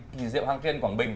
kỳ diệu hang tiên quảng bình